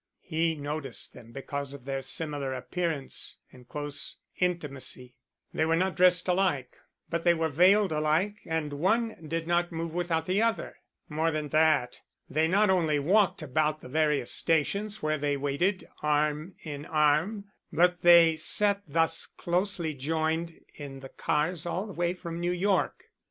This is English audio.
He noticed them because of their similar appearance and close intimacy. They were not dressed alike, but they were veiled alike and one did not move without the other. More than that, they not only walked about the various stations where they waited, arm in arm, but they sat thus closely joined in the cars all the way from New York.